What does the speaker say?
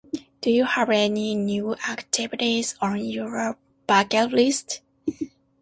Do you have any new activities on your bucket list?